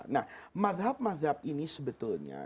nah madhab mazhab ini sebetulnya